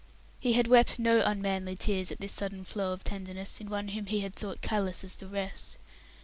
He had wept no unmanly tears at this sudden flow of tenderness in one whom he had thought as callous as the rest.